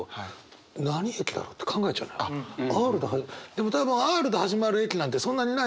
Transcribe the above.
でも多分Ｒで始まる駅なんてそんなにないじゃん。